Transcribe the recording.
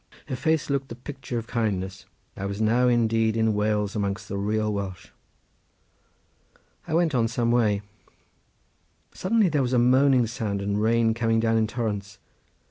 Her face looked the picture of kindness, I was now indeed in Wales amongst the real Welsh. I went on some way. Suddenly there was a moaning sound, and rain came down in torrents.